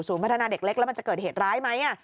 พัฒนาเด็กเล็กแล้วมันจะเกิดเหตุร้ายไหม